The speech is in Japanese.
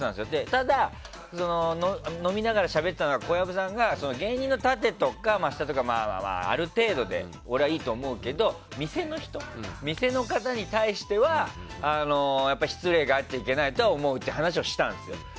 ただ、飲みながらしゃべってたのが小籔さんが芸人の縦とか下とか、ある程度で俺はいいと思うけど店の方に対しては失礼があっちゃいけないとは思うっていう話をしたんですよ。